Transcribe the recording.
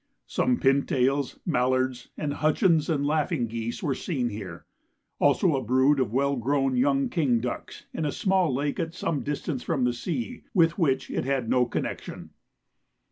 Some pintails, mallards, and Hutchins and laughing geese were seen here; also a brood of well grown young king ducks in a small lake at some distance from the sea, with which it had no connection.